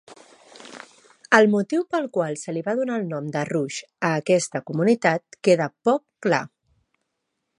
El motiu pel qual se li va donar el nom de Rush a aquesta comunitat queda poc clar.